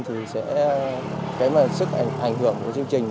thì sức ảnh hưởng của chương trình